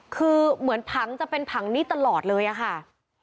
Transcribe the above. คือเหมือนผังจะเป็นผังนี้ตลอดเลยอะค่ะ